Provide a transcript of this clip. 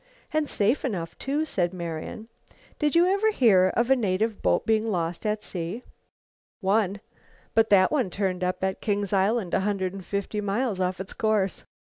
"And safe enough too," said Marian. "Did you ever hear of a native boat being lost at sea?" "One. But that one turned up at King's Island, a hundred and fifty miles off its course."